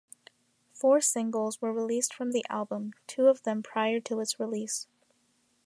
Four singles were released from the album, two of them prior to its release.